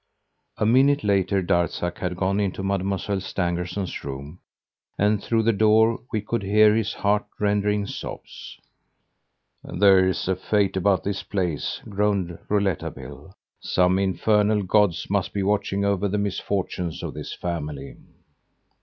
A minute later Darzac had gone into Mademoiselle Stangerson's room and, through the door, we could hear his heart rending sobs. "There's a fate about this place!" groaned Rouletabille. "Some infernal gods must be watching over the misfortunes of this family!